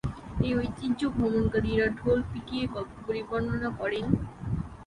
এই ঐতিহ্যে, ভ্রমণকারীরা ঢোল পিটিয়ে গল্পগুলি বর্ণনা করেন।